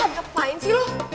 ngapain sih lo